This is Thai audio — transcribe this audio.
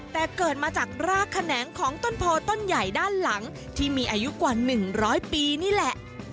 แต่เกิดมาจากรากแขนงของต้นโพต้นใหญ่ด้านหลังที่มีอายุกว่า๑๐๐ปีนี่แหละ